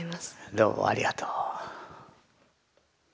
どうもありがとう。